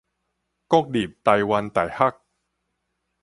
國立臺灣大學